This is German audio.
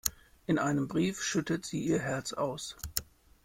In einem Brief schüttet sie ihr Herz aus.